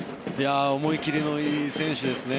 思い切りのいい選手ですね。